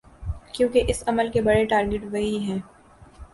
کیونکہ اس عمل کے بڑے ٹارگٹ وہی ہیں۔